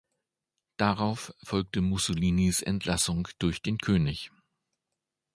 Darauf folgte Mussolinis Entlassung durch den König.